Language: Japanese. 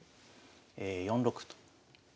４六歩と。